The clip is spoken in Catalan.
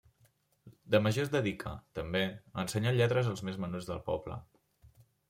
De major es dedicà, també, a ensenyar lletres als més menuts del poble.